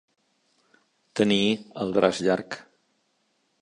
Tenir el braç llarg.